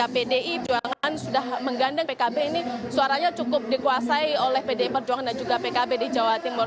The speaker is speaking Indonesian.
pdi perjuangan sudah menggandeng pkb ini suaranya cukup dikuasai oleh pdi perjuangan dan juga pkb di jawa timur